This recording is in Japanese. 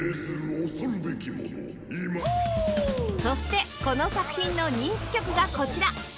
そしてこの作品の人気曲がこちら